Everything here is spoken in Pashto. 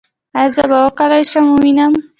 ایا زه به وکولی شم ووینم؟